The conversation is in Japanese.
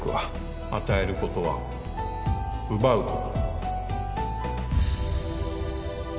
与えることは奪うこと